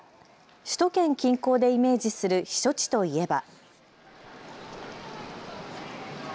首都圏近郊でイメージする避暑地といえば。